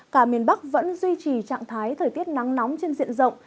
cả miền bắc vẫn duy trì trạng thái thời tiết nắng nóng trên diện rộng